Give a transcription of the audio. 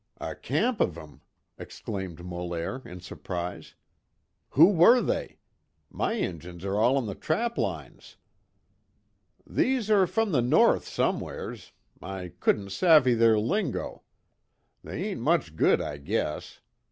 "A camp of 'em!" exclaimed Molaire, in surprise. "Who were they? My Injuns are all on the trap lines." "These are from the North somewheres. I couldn't savvy their lingo. They ain't much good I guess.